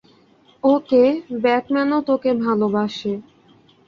ওকে, ব্যাটম্যানও তোকে ভালোবাসে।